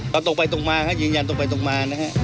พอตกไปตกมายืนยันตกไปตกมา